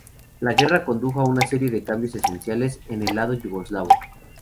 La guerra condujo a una serie de cambios esenciales en el lado yugoslavo.